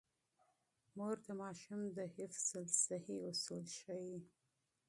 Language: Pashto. مور د ماشوم د حفظ الصحې اصول ښيي.